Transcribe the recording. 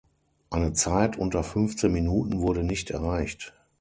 Eine Zeit unter fünfzehn Minuten wurde nicht erreicht.